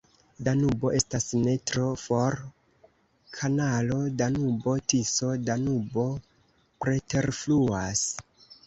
Danubo estas ne tro for, kanalo Danubo-Tiso-Danubo preterfluas.